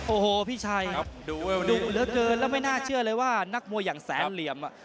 โอ้โหพี่ชัยครับดุเหลือเกินแล้วไม่น่าเชื่อเลยว่านักมวยอย่างแสนเหลี่ยม